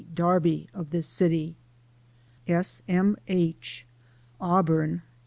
Darby, of this city. S. M. H. AUBUKN, Dec.